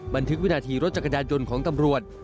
บันทึกวินาทีรถจักรยานยนต์ของตำรวจ